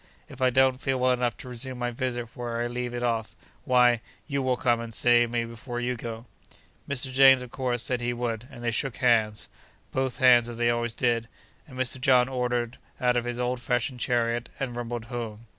If I don't feel well enough to resume my visit where I leave it off, why you will come and see me before you go.' Mr. James, of course, said he would, and they shook hands—both hands, as they always did—and Mr. John ordered out his old fashioned chariot and rumbled home.